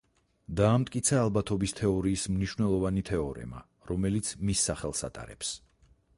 დაამტკიცა ალბათობის თეორიის მნიშვნელოვანი თეორემა, რომელიც მის სახელს ატარებს.